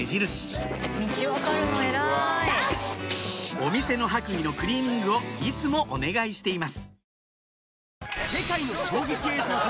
お店の白衣のクリーニングをいつもお願いしています